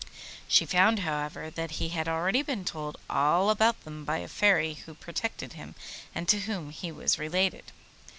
She found, however, that he had already been told all about them by a Fairy who protected him, and to whom he was related.